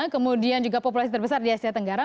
kemudian juga populasi terbesar di asia tenggara